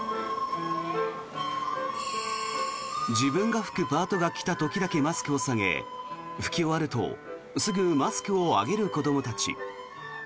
自分が吹くパートが来た時だけマスクを下げ吹き終わるとすぐマスクを上げる子どもたち。